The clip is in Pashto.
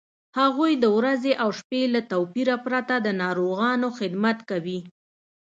هغوی د ورځې او شپې له توپیره پرته د ناروغانو خدمت کوي.